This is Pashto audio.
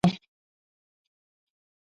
د پاناما کانال د شلمې پیړۍ لویه پروژه وه.